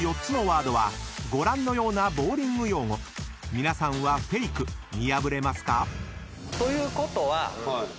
［皆さんはフェイク見破れますか？］ということは。